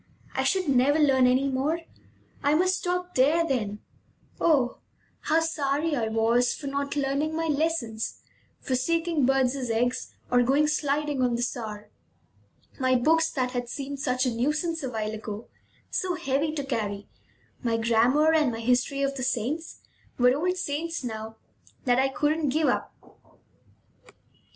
I should never learn any more! I must stop there, then! Oh, how sorry I was for not learning my lessons, for seeking birds' eggs, or going sliding on the Saar! My books, that had seemed such a nuisance a while ago, so heavy to carry, my grammar, and my history of the saints, were old friends now that I couldn't give up.